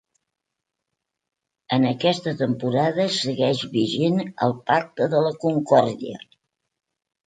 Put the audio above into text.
En aquesta temporada segueix vigent el Pacte de la Concòrdia.